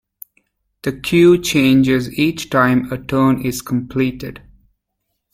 The queue changes each time a turn is completed.